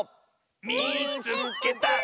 「みいつけた！」。